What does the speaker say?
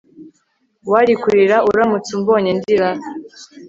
wari kurira uramutse umbonye ndira